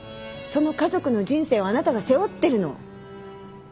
その家族の人生をあなたが背負ってるの。